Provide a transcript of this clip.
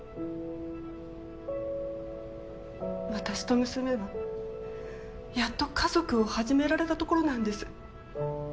私と娘はやっと家族を始められたところなんです。